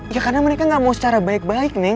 ya karena mereka gak mau secara baik baik nih